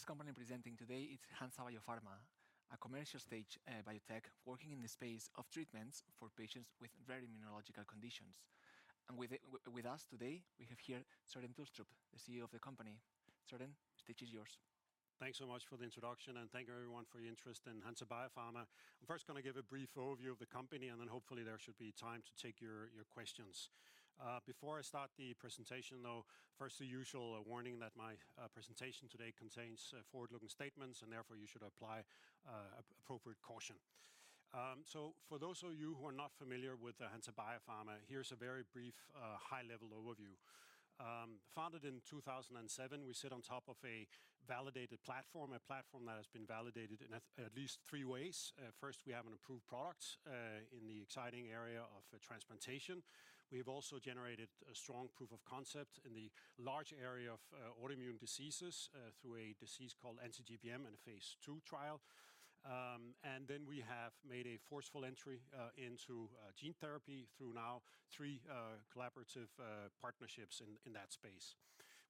The next company presenting today is Hansa Biopharma, a commercial stage biotech working in the space of treatments for patients with very immunological conditions. With us today, we have here Søren Tulstrup, the CEO of the company. Søren, the stage is yours. Thanks so much for the introduction. Thank you, everyone, for your interest in Hansa Biopharma. I'm first gonna give a brief overview of the company, then hopefully there should be time to take your questions. Before I start the presentation, though, first, the usual warning that my presentation today contains forward-looking statements, therefore you should apply appropriate caution. For those of you who are not familiar with Hansa Biopharma, here's a very brief high-level overview. Founded in 2007, we sit on top of a validated platform, a platform that has been validated in at least three ways. First, we have an approved product in the exciting area of transplantation. We've also generated a strong proof of concept in the large area of autoimmune diseases through a disease called anti-GBM in a phase II trial. We have made a forceful entry into gene therapy through now three collaborative partnerships in that space.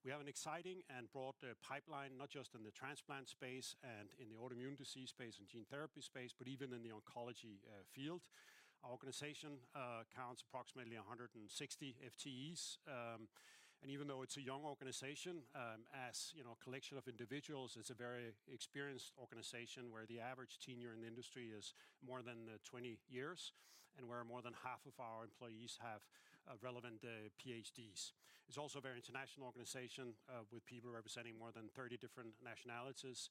We have an exciting and broad pipeline, not just in the transplant space and in the autoimmune disease space and gene therapy space, but even in the oncology field. Our organization counts approximately 160 FTEs. Even though it's a young organization, as you know, a collection of individuals, it's a very experienced organization, where the average tenure in the industry is more than 20 years, and where more than half of our employees have relevant PhDs. It's also a very international organization, with people representing more than 30 different nationalities,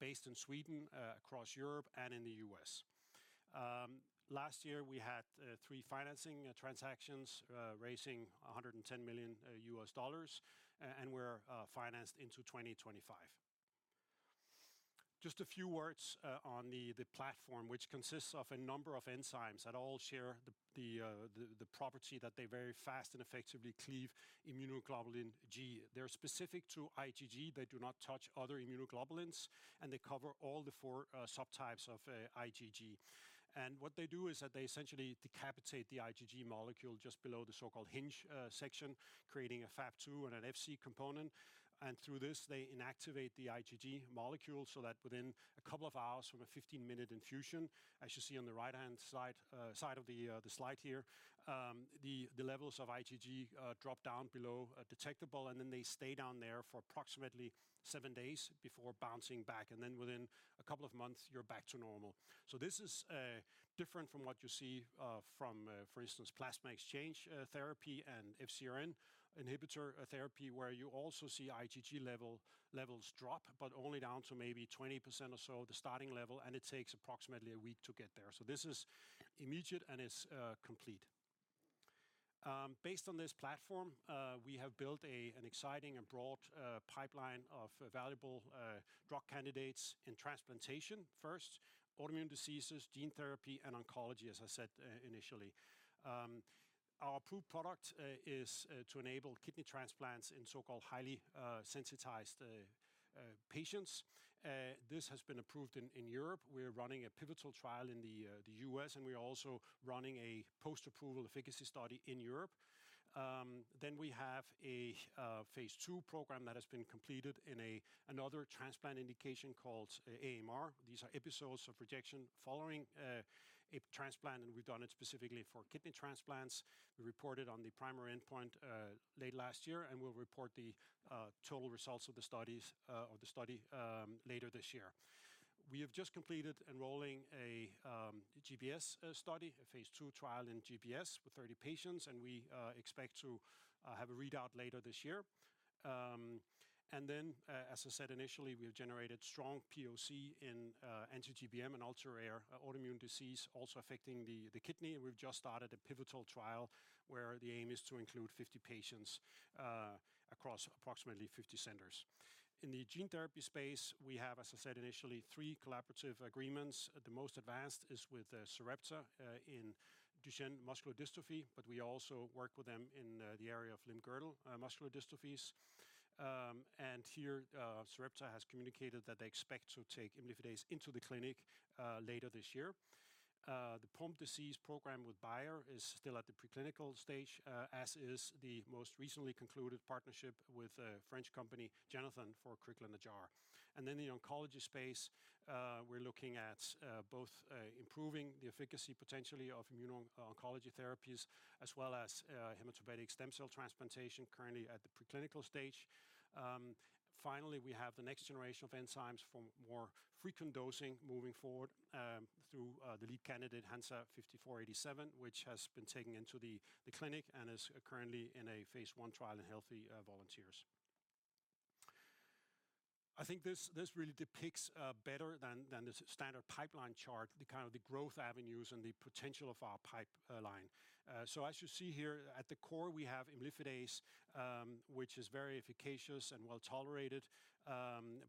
based in Sweden, across Europe and in the U.S. Last year, we had three financing transactions, raising $110 million, and we're financed into 2025. Just a few words on the platform, which consists of a number of enzymes that all share the property that they very fast and effectively Cleave Immunoglobulin G. They're specific to IgG. They do not touch other immunoglobulins, and they cover all the four subtypes of IgG. What they do is that they essentially decapitate the IgG molecule just below the so-called hinge section, creating a Fab2 and an Fc component, and through this, they inactivate the IgG molecule so that within two hours from a 15-minute infusion, as you see on the right-hand side of the slide here. The levels of IgG drop down below detectable, and then they stay down there for approximately seven days before bouncing back. Then within a couple of months, you're back to normal. This is different from what you see from for instance, plasma exchange therapy and FcRn inhibitor therapy, where you also see IgG levels drop, but only down to maybe 20% or so, the starting level, and it takes approximately one week to get there. This is immediate, and it's complete. Based on this platform, we have built a an exciting and broad pipeline of valuable drug candidates in transplantation. First, autoimmune diseases, gene therapy, and oncology, as I said, initially. Our approved product is to enable kidney transplants in so-called highly sensitized patients. This has been approved in Europe. We're running a pivotal trial in the U.S., and we're also running a post-approval efficacy study in Europe. We have a phase II program that has been completed in another transplant indication called AMR. These are episodes of rejection following a transplant, and we've done it specifically for kidney transplants. We reported on the primary endpoint late last year, and we'll report the total results of the study later this year. We have just completed enrolling a GBS study, a phase II trial in GBS with 30 patients, and we expect to have a readout later this year. As I said initially, we have generated strong POC in anti-GBM, an ultra-rare autoimmune disease also affecting the kidney. We've just started a pivotal trial where the aim is to include 50 patients across approximately 50 centers. In the gene therapy space, we have, as I said initially, 3 collaborative agreements. The most advanced is with Sarepta in Duchenne muscular dystrophy, but we also work with them in the area of limb-girdle muscular dystrophies. Here, Sarepta has communicated that they expect to take imlifidase into the clinic later this year. The Pompe disease program with Bayer is still at the preclinical stage, as is the most recently concluded partnership with a French company, Genethon, for Crigler-Najjar. The oncology space, we're looking at both improving the efficacy, potentially of immuno-oncology therapies, as well as hematopoietic stem cell transplantation, currently at the preclinical stage. Finally, we have the next generation of enzymes for more frequent dosing moving forward, through the lead candidate, HNSA-5487, which has been taken into the clinic and is currently in a phase I trial in healthy volunteers. I think this really depicts better than the standard pipeline chart, the kind of the growth avenues and the potential of our pipeline. As you see here, at the core, we have imlifidase, which is very efficacious and well-tolerated,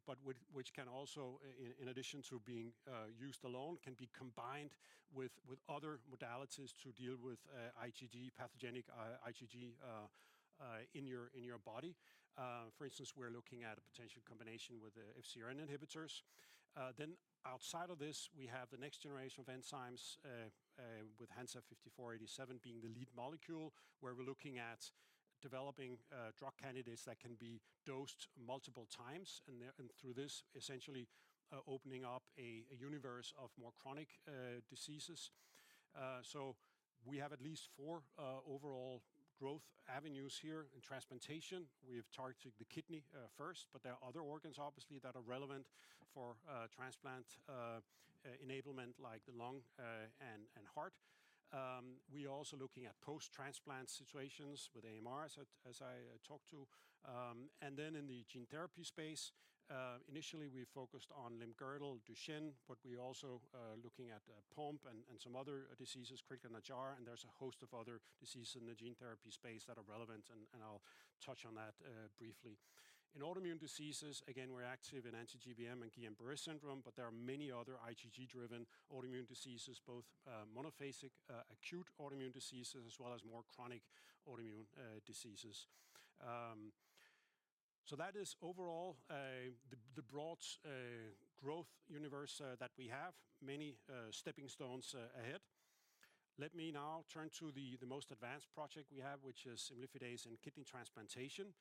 but which can also in addition to being used alone, can be combined with other modalities to deal with IgG, pathogenic IgG in your body. For instance, we're looking at a potential combination with FcRn inhibitors. Outside of this, we have the next generation of enzymes, with HNSA-5487 being the lead molecule, where we're looking at developing drug candidates that can be dosed multiple times, and through this, essentially, opening up a universe of more chronic diseases. We have at least four overall growth avenues here in transplantation. We have targeted the kidney, first, but there are other organs, obviously, that are relevant for transplant enablement, like the lung, and heart. We're also looking at post-transplant situations with AMR, as I talked to. In the gene therapy space, initially, we focused on limb-girdle Duchenne, but we're also looking at Pompe and some other diseases, Crigler-Najjar, and there's a host of other diseases in the gene therapy space that are relevant, and I'll touch on that briefly. In autoimmune diseases, again, we're active in anti-GBM and Guillain-Barré Syndrome, but there are many other IgG-driven autoimmune diseases, both monophasic, acute autoimmune diseases, as well as more chronic autoimmune diseases. So that is overall the broad growth universe that we have. Many stepping stones ahead. Let me now turn to the most advanced project we have, which is imlifidase in kidney transplantation.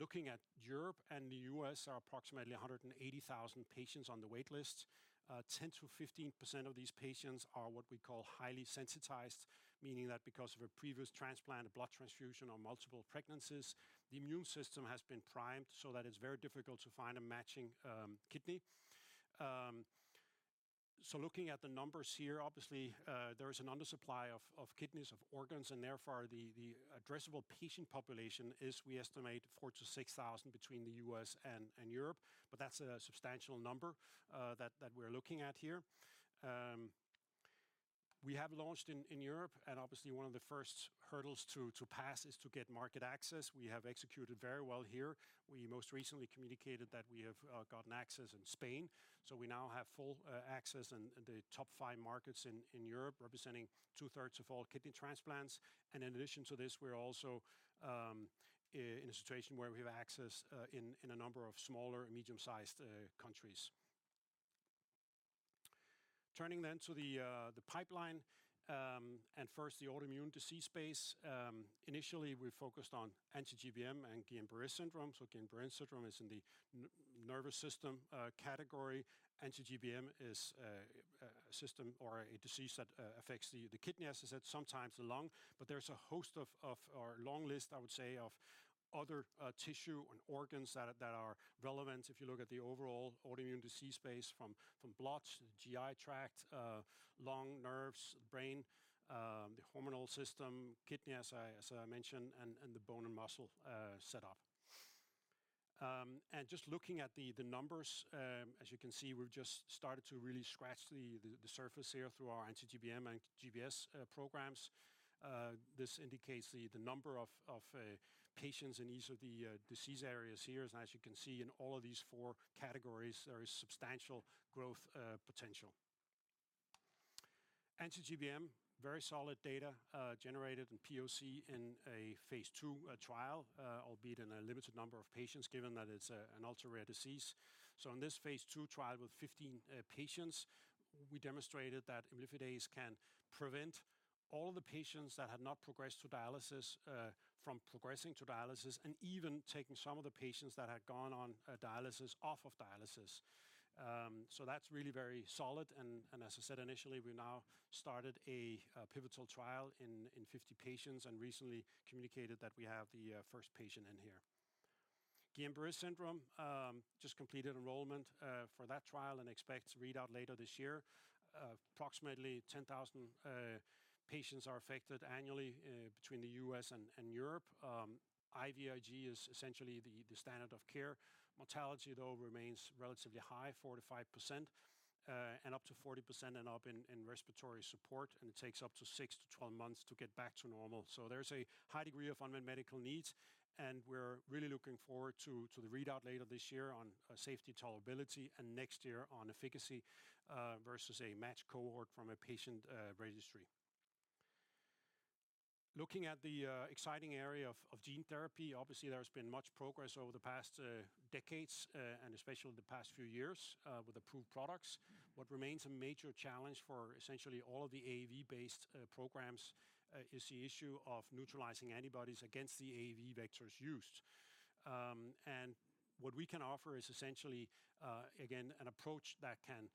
Looking at Europe and the U.S., are approximately 180,000 patients on the wait list. 10%-15% of these patients are what we call highly sensitized, meaning that because of a previous transplant, a blood transfusion, or multiple pregnancies, the immune system has been primed so that it's very difficult to find a matching kidney. Looking at the numbers here, obviously, there is an undersupply of kidneys, of organs, and therefore, the addressable patient population is, we estimate, 4,000-6,000 between the U.S. and Europe, but that's a substantial number that we're looking at here. We have launched in Europe, and obviously, one of the first hurdles to pass is to get market access. We have executed very well here. We most recently communicated that we have gotten access in Spain, so we now have full access in the top five markets in Europe, representing 2/3 of all kidney transplants. In addition to this, we're also in a situation where we have access in a number of smaller and medium-sized countries. Turning to the pipeline, and first, the autoimmune disease space. Initially, we focused on anti-GBM and Guillain-Barré Syndrome. Guillain-Barré Syndrome is in the nervous system category. Anti-GBM is a system or a disease that affects the kidney, as I said, sometimes the lung. There's a host of a long list, I would say, of other tissue and organs that are relevant if you look at the overall autoimmune disease space, from blood to the GI tract, lung, nerves, brain, the hormonal system, kidney, as I mentioned, and the bone and muscle set up. Just looking at the numbers, as you can see, we've just started to really scratch the surface here through our anti-GBM and GBS programs. This indicates the number of patients in each of the disease areas here. As you can see, in all of these four categories, there is substantial growth potential. Anti-GBM, very solid data, generated in POC in a phase II trial, albeit in a limited number of patients, given that it's an ultra-rare disease. In this phase II trial with 15 patients, we demonstrated that imlifidase can prevent all of the patients that had not progressed to dialysis from progressing to dialysis and even taking some of the patients that had gone on dialysis off of dialysis. That's really very solid and, as I said initially, we now started a pivotal trial in 50 patients and recently communicated that we have the first patient in here. Guillain-Barré Syndrome just completed enrollment for that trial and expect readout later this year. Approximately 10,000 patients are affected annually between the U.S. and Europe. IVIG is essentially the standard of care. Mortality, though, remains relatively high, 4%-5%, and up to 40% and up in respiratory support, and it takes up to 6 months-12 months to get back to normal. There's a high degree of unmet medical needs, and we're really looking forward to the readout later this year on safety tolerability, and next year on efficacy versus a matched cohort from a patient registry. Looking at the exciting area of gene therapy, obviously, there's been much progress over the past decades, and especially the past few years, with approved products. What remains a major challenge for essentially all of the AAV-based programs is the issue of neutralizing antibodies against the AAV vectors used. What we can offer is essentially, again, an approach that can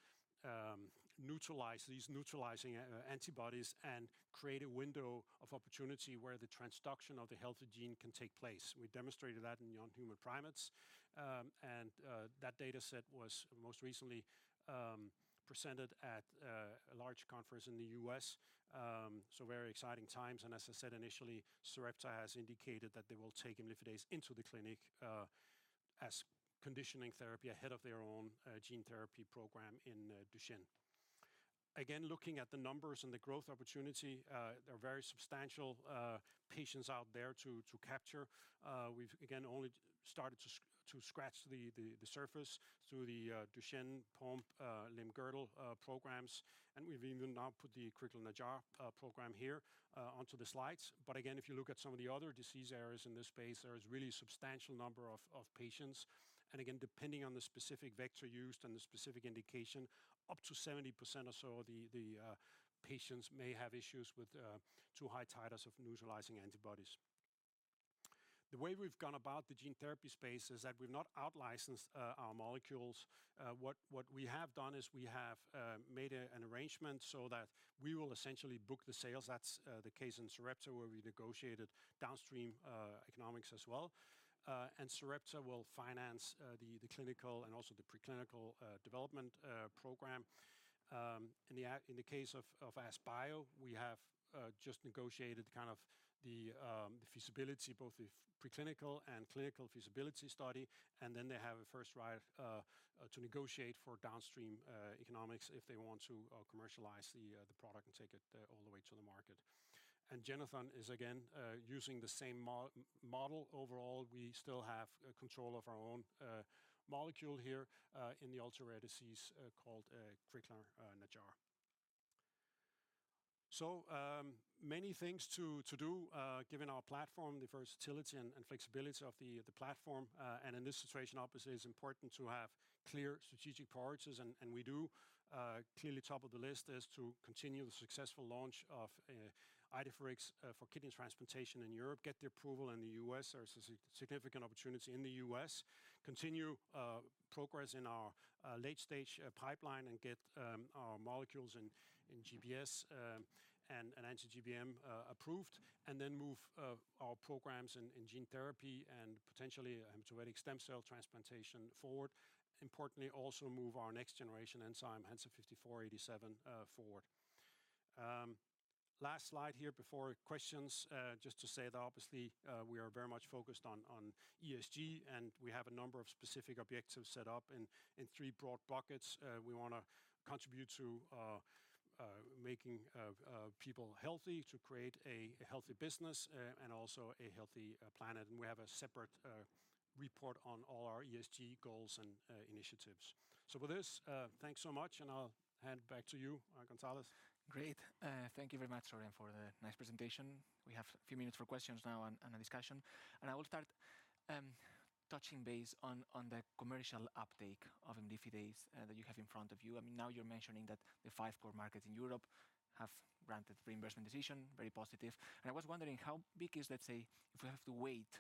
neutralize these neutralizing antibodies and create a window of opportunity where the transduction of the healthy gene can take place. We demonstrated that in non-human primates, and that data set was most recently presented at a large conference in the U.S. very exciting times. As I said initially, Sarepta has indicated that they will take imlifidase into the clinic as conditioning therapy ahead of their own gene therapy program in Duchenne. Looking at the numbers and the growth opportunity, there are very substantial patients out there to capture. We've again, only started to scratch the surface through the Duchenne, Pompe, limb-girdle programs, and we've even now put the Crigler-Najjar program here onto the slides. Again, if you look at some of the other disease areas in this space, there is really a substantial number of patients. Again, depending on the specific vector used and the specific indication, up to 70% or so of the patients may have issues with too high titers of neutralizing antibodies. The way we've gone about the gene therapy space is that we've not out licensed our molecules. What we have done is we have made an arrangement so that we will essentially book the sales. That's the case in Sarepta, where we negotiated downstream economics as well. Sarepta will finance the clinical and also the preclinical development program. In the case of AskBio, we have just negotiated kind of the feasibility, both the preclinical and clinical feasibility study, and then they have a first right to negotiate for downstream economics if they want to commercialize the product and take it all the way to the market. Genethon is again using the same model. Overall, we still have control of our own molecule here in the ultra-rare disease called Crigler-Najjar. Many things to do given our platform, the versatility and flexibility of the platform. In this situation, obviously, it's important to have clear strategic priorities, and we do. Clearly, top of the list is to continue the successful launch of Idefirix for kidney transplantation in Europe, get the approval in the U.S. There's a significant opportunity in the U.S., continue progress in our late-stage pipeline and get our molecules in GBS and anti-GBM approved, and then move our programs in gene therapy and potentially hematopoietic stem cell transplantation forward. Importantly, also move our next generation enzyme, HNSA-5487, forward. Last slide here before questions. Just to say that obviously, we are very much focused on ESG, and we have a number of specific objectives set up in three broad buckets. We wanna contribute to making people healthy, to create a healthy business, and also a healthy planet. We have a separate report on all our ESG goals and initiatives. With this, thanks so much, and I'll hand back to you, Gonzalo. Great. Thank you very much, Søren, for the nice presentation. We have a few minutes for questions now and a discussion, and I will start touching base on the commercial uptake of imlifidase that you have in front of you. I mean, now you're mentioning that the five core markets in Europe have granted reimbursement decision, very positive. I was wondering, how big is, let's say, if we have to weight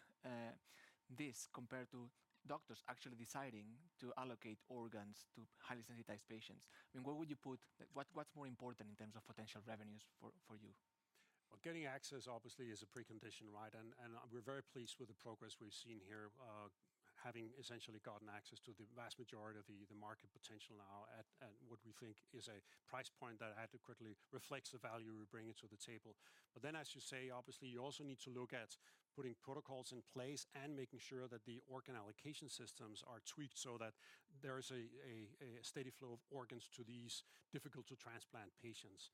this compared to doctors actually deciding to allocate organs to highly sensitized patients, I mean, where would you put, what's more important in terms of potential revenues for you? Well, getting access obviously is a precondition, right? We're very pleased with the progress we've seen here, having essentially gotten access to the vast majority of the market potential now at what we think is a price point that adequately reflects the value we're bringing to the table. As you say, obviously, you also need to look at putting protocols in place and making sure that the organ allocation systems are tweaked so that there is a steady flow of organs to these difficult-to-transplant patients.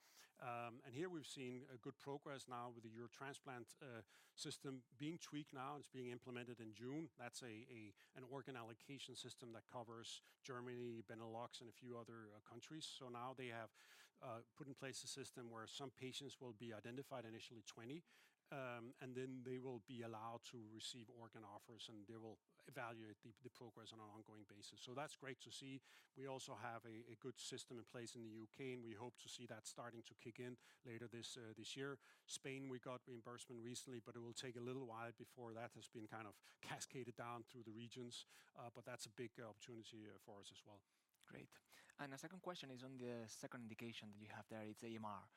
Here we've seen a good progress now with the Eurotransplant system being tweaked now. It's being implemented in June. That's an organ allocation system that covers Germany, Benelux, and a few other countries. They have put in place a system where some patients will be identified, initially 20, and then they will be allowed to receive organ offers, and they will evaluate the progress on an ongoing basis. That's great to see. We also have a good system in place in the U.K., and we hope to see that starting to kick in later this year. Spain, we got reimbursement recently, but it will take a little while before that has been kind of cascaded down through the regions. That's a big opportunity for us as well. Great. The second question is on the second indication that you have there, it's AMR.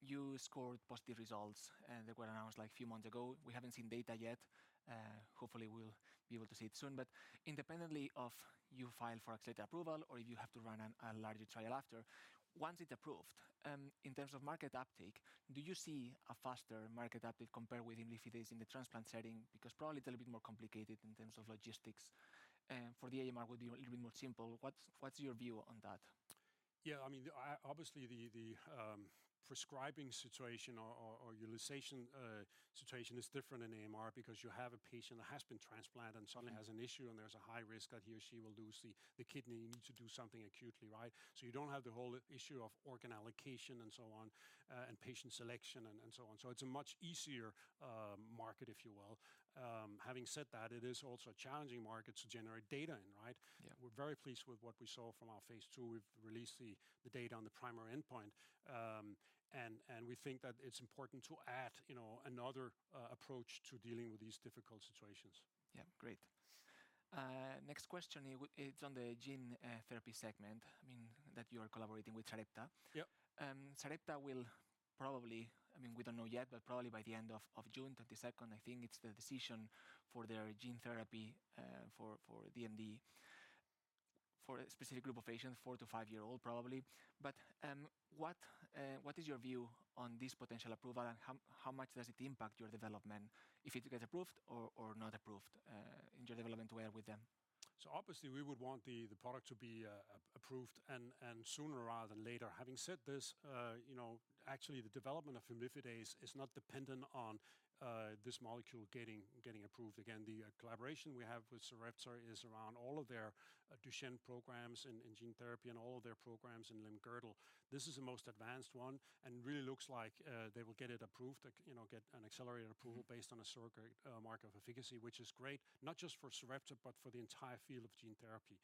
You scored positive results, and they were announced, like, a few months ago. We haven't seen data yet. Hopefully, we'll be able to see it soon. Independently of you file for accelerated approval or if you have to run a larger trial after, once it's approved, in terms of market uptake, do you see a faster market uptake compared with imlifidase in the transplant setting? Probably it's a little bit more complicated in terms of logistics, for the AMR would be a little bit more simple. What's your view on that? Yeah, I mean, obviously, the prescribing situation or utilization situation is different in AMR because you have a patient that has been transplanted and suddenly has an issue, and there's a high risk that he or she will lose the kidney. You need to do something acutely, right? You don't have the whole issue of organ allocation and so on, and patient selection and so on. It's a much easier market, if you will. Having said that, it is also a challenging market to generate data in, right? Yeah. We're very pleased with what we saw from our phase II. We've released the data on the primary endpoint. We think that it's important to add, you know, another approach to dealing with these difficult situations. Yeah. Great. Next question it's on the gene therapy segment, I mean, that you are collaborating with Sarepta. Yep. Sarepta will probably, I mean, we don't know yet, but probably by the end of June 22nd, I think it's the decision for their gene therapy for DMD, for a specific group of patients, 4 years-5 years old, probably. What is your view on this potential approval, and how much does it impact your development if it gets approved or not approved in your development way with them? Obviously, we would want the product to be approved and sooner rather than later. Having said this, you know, actually the development of imlifidase is not dependent on this molecule getting approved. Again, the collaboration we have with Sarepta is around all of their Duchenne programs in gene therapy and all of their programs in limb-girdle. This is the most advanced one and really looks like they will get it approved, you know, get an accelerated approval based on a surrogate marker of efficacy, which is great, not just for Sarepta, but for the entire field of gene therapy.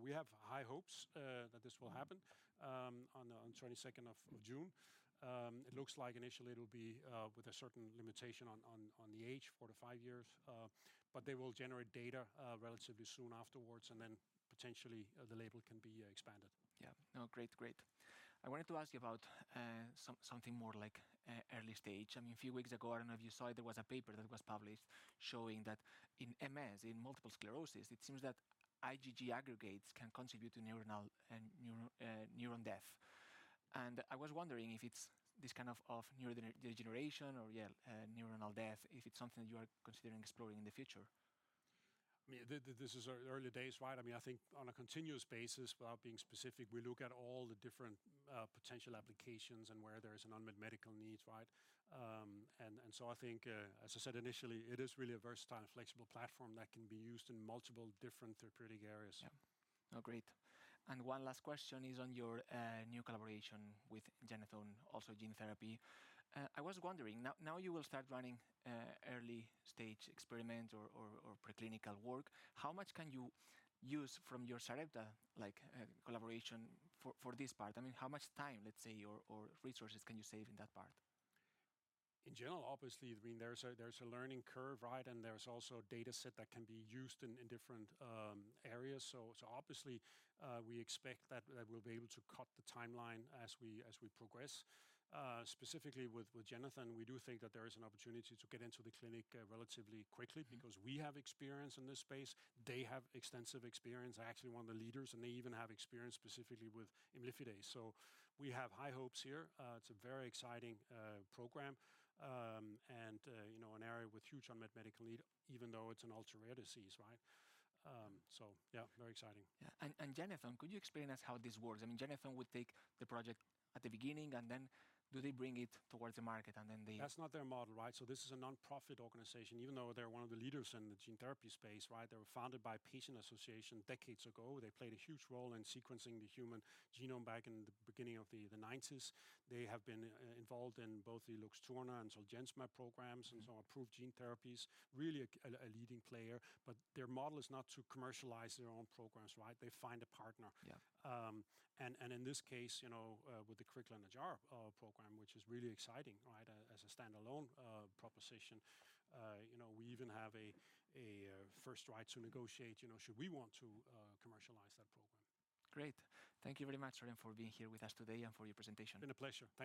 We have high hopes that this will happen on the 22nd of June. It looks like initially it'll be with a certain limitation on the age, 4 years-5 years, but they will generate data relatively soon afterwards, and then potentially the label can be expanded. Yeah. No, great. I wanted to ask you about something more like early stage. I mean, a few weeks ago, I don't know if you saw it, there was a paper that was published showing that in MS, in multiple sclerosis, it seems that IgG aggregates can contribute to neuronal and neuron death. I was wondering if it's this kind of degeneration or, yeah, neuronal death, if it's something you are considering exploring in the future? I mean, this is early days, right? I mean, I think on a continuous basis, without being specific, we look at all the different potential applications and where there is an unmet medical needs, right? I think, as I said, initially, it is really a versatile and flexible platform that can be used in multiple different therapeutic areas. Yeah. Oh, great. One last question is on your new collaboration with Genethon, also gene therapy. I was wondering, now you will start running early stage experiment or preclinical work. How much can you use from your Sarepta, like, collaboration for this part? I mean, how much time, let's say, or resources can you save in that part? In general, obviously, I mean, there's a learning curve, right? There's also data set that can be used in different areas. Obviously, we expect that we'll be able to cut the timeline as we progress. Specifically with Genethon, we do think that there is an opportunity to get into the clinic relatively quickly because we have experience in this space. They have extensive experience, actually, one of the leaders, and they even have experience specifically with imlifidase. We have high hopes here. It's a very exciting program, and, you know, an area with huge unmet medical need, even though it's an ultra-rare disease, right? Yeah, very exciting. Yeah. Genethon, could you explain us how this works? I mean, Genethon would take the project at the beginning, do they bring it towards the market? That's not their model, right? This is a nonprofit organization, even though they're one of the leaders in the gene therapy space, right? They were founded by a patient association decades ago. They played a huge role in sequencing the human genome back in the beginning of the 90s. They have been involved in both the LUXTURNA and ZOLGENSMA programs. Some approved gene therapies. Really a leading player, but their model is not to commercialize their own programs, right? They find a partner. Yeah. In this case, you know, with the Crigler-Najjar program, which is really exciting, right? As a standalone proposition. You know, we even have a first right to negotiate, you know, should we want to commercialize that program. Great. Thank you very much, Søren, for being here with us today and for your presentation. Been a pleasure. Thank you.